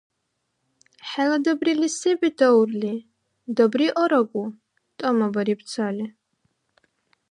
— ХӀела дабрилис се бетаурли? Дабри агарагу! — тӀамадариб цали.